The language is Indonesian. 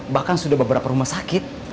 bahkan sudah beberapa rumah sakit